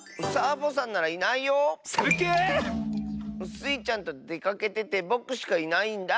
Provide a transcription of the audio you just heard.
スイちゃんとでかけててぼくしかいないんだ。